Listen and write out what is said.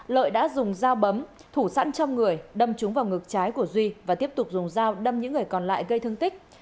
lợi đã dùng dao bấm thủ sẵn trong người đâm trúng vào ngực trái của duy và tiếp tục dùng dao đâm những người còn lại gây thương tích